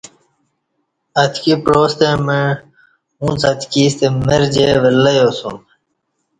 اتکی پعاستہ مع اُݩڅ اتکیستہ مر جی ولہ یاسُوم